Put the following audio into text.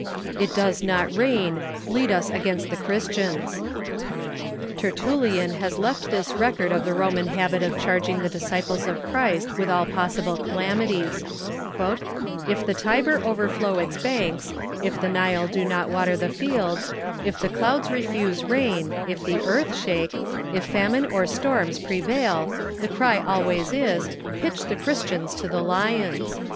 "It does not rain — lead us against the Christians!" Tertul lian has left this record of the Roman habit of charging the disciples of Christ Avith all possible calamities :" If the Tiber overflow its banks, if the Nile do not Avater the fields, if the clouds refuse rain, if the earth shake, if famine or storms pre vail, the cry always is, 'Pitch the Christians to the lions